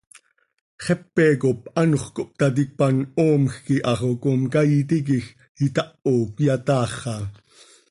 Xepe cop anxö cohptaticpan, hoomjc iha xo comcaii tiquij itaho, cöyataaxa.